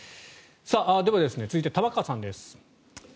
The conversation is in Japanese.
では、続いて玉川さんです。